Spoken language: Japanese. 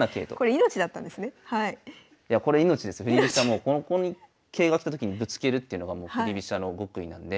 もうここに桂が来たときにぶつけるっていうのが振り飛車の極意なんで。